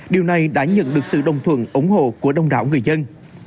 điều này đã nhận được sự đồng thuận ủng hộ của đông đảo người dân